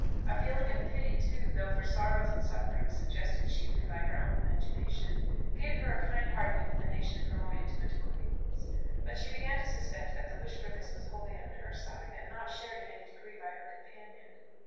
A feeling of pity, too, though for sorrows and sufferings suggested chiefly by her own imagination, gave her a kind hearted inclination for more intimate acquaintance; but she began to suspect that the wish for this was wholly on her side, and not shared in any degree by her companion.